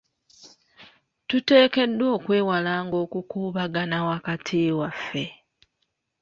Tuteekeddwa okwewalanga okukuubagana wakati waffe.